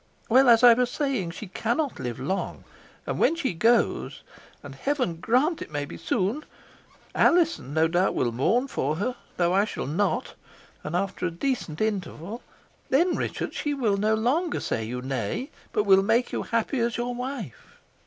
Well, as I was saying, she cannot live long, and when she goes and Heaven grant it may be soon! Alizon, no doubt, will mourn for her though I shall not, and after a decent interval then, Richard, then she will no longer say you nay, but will make you happy as your wife.